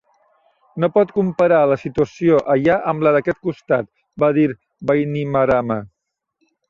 "No pot comparar la situació allà amb la d'aquest costat," va dir Bainimarama.